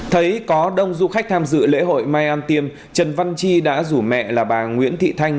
thấy có đông du khách tham dự lễ hội mai an tiêm trần văn chi đã rủ mẹ là bà nguyễn thị thanh